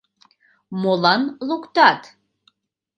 Молан луктат?